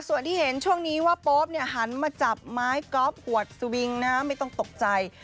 ส่วนที่เห็นช่วงนี้ว่าโป๊ปหันมาจับไม้กอล์ฟอวดสวิงนะไม่ต้องตกใจ